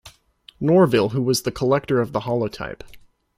Norville who was the collector of the holotype.